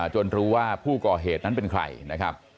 รู้ว่าผู้ก่อเหตุนั้นเป็นใครนะครับ